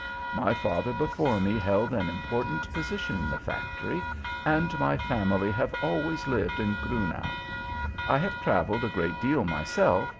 My father before me held an important position in the factory, and my family have always lived in Grunau. I have traveled a great deal myself.